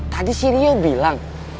tadi si rio bilang